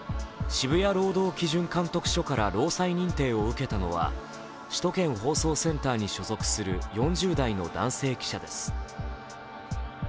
渋谷労働基準監督署から労災認定を受けたのは首都圏放送センターに所属する４０代の男性記者です。